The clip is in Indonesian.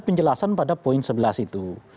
penjelasan pada poin sebelas itu